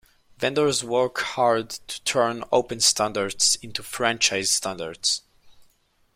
Vendors work hard to turn open standards into franchise standards.